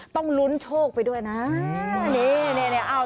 ต้องลุ้นโชคไปด้วยนะ